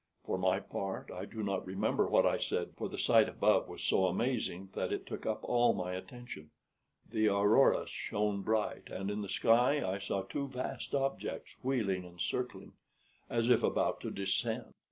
For my part I do not remember what I said to soothe her, for the sight above was so amazing that it took up all my attention. The aurora shone bright, and in the sky I saw two vast objects wheeling and circling, as if about to descend.